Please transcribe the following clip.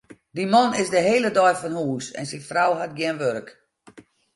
Dy man is de hiele dei fan hûs en syn frou hat gjin wurk.